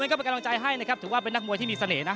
มีการอนใจให้นะครับถือว่าเป็นนักมวยที่มีเสน่ห์นะ